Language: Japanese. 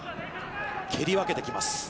蹴りわけてきます。